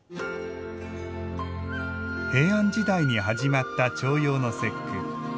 平安時代に始まった重陽の節句。